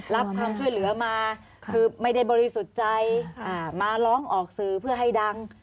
รับความช่วยเหลือมาคือไม่ได้บริสุทธิ์ใจมาร้องออกสื่อเพื่อให้ดัง